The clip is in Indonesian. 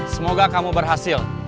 semoga kamu berhasil